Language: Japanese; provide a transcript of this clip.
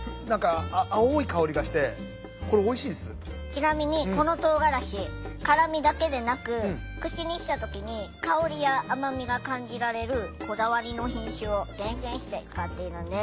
ちなみにこのとうがらし辛みだけでなく口にした時に香りや甘みが感じられるこだわりの品種を厳選して使っているんです。